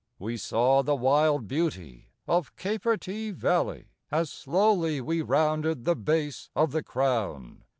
We saw the wild beauty of Capertee Valley, As slowly we rounded the base of the Crown.